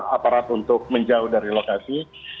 aparat untuk menjauh dari lokasi